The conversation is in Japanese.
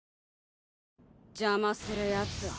邪魔するヤツは。